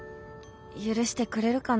許してくれるかな。